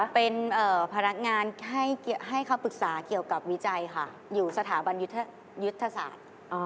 เป็นพนักงานให้เขาปรึกษาเกี่ยวกับวิจัยค่ะอยู่สถาบันยุทธศาสตร์